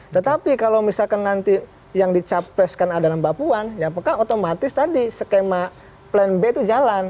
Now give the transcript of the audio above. tetapi kalau misalkan nanti yang dicapreskan ada dalam bapuan ya pekak otomatis tadi skema plan b itu jalan